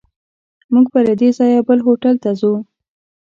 موږ به له دې ځایه بل هوټل ته ځو.